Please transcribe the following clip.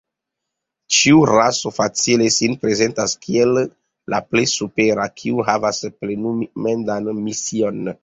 Ĉiu raso facile sin prezentas kiel la plej supera, kiu havas plenumendan mision.